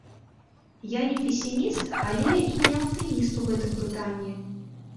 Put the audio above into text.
Я не песіміст, але і не аптыміст у гэтым пытанні.